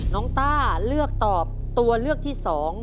ต้าเลือกตอบตัวเลือกที่๒